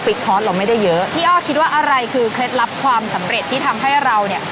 คอร์สเราไม่ได้เยอะพี่อ้อคิดว่าอะไรคือเคล็ดลับความสำเร็จที่ทำให้เราเนี่ย